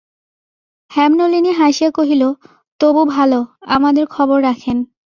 হেমনলিনী হাসিয়া কহিল, তবু ভালো, আমাদের খবর রাখেন!